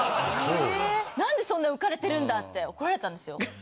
なんでそんな浮かれてるんだって怒られたんですよ。